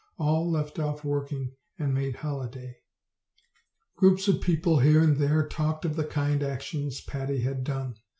All left off work and made holiday. Groups of people here and there talked of the kind actions ratty had done.